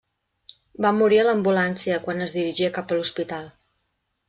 Va morir a l'ambulància quan es dirigia cap a l'hospital.